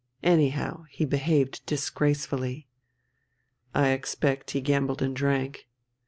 Anyhow he behaved disgracefully." "I expect he gambled and drank."